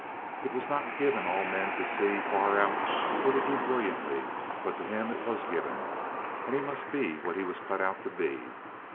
It was not given all men to see far or to do brilliantly; but to him it was given, and he must be what he was cut out to be.